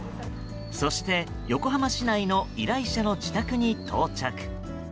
そして、横浜市内の依頼者の自宅に到着。